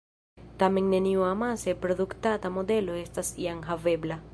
Tamen neniu amase produktata modelo estas jam havebla.